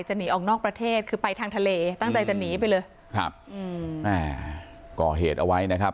หนีไปนู่นอ่ะ